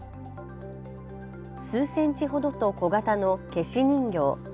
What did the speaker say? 数センチほどと小型の芥子人形。